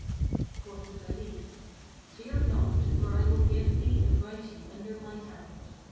Quoth the Caliph, "Fear not, for I will give thee a writing under my hand.